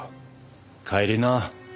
帰りな。